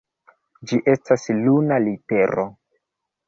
Ĝi estas luna litero.